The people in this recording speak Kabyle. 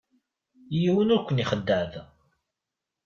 Yiwen ur ken-ixeddeε da.